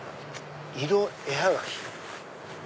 色絵はがき。